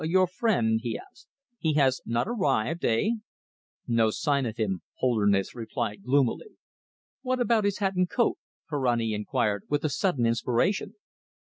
"Your friend," he asked, "he has not arrived, eh?" "No sign of him," Holderness replied gloomily. "What about his hat and coat?" Ferrani inquired, with a sudden inspiration.